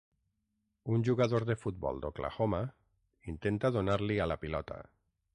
Un jugador de futbol d'Oklahoma intenta donar-li a la pilota.